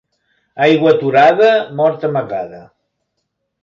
Aigua aturada, mort amagada.